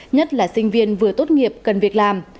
nhất là sinh viên vừa tốt nghiệp cần việc làm